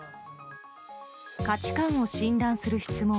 価値観を診断する質問